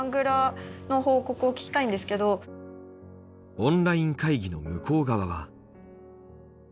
オンライン会議の向こう側は。